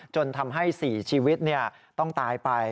จนทำให้๔ชีวิตต้องตายไป